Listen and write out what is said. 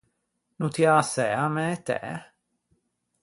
No ti â sæ a mæ etæ?